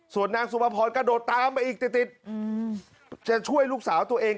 ส่วนนางสุภพรกระโดดตามไปอีกติดจะช่วยลูกสาวตัวเอง